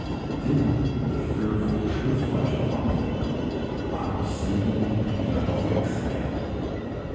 Then the fearful truth flashed upon me: I was sinking in a quicksand.